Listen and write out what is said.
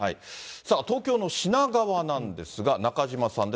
さあ、東京の品川なんですが、中島さんです。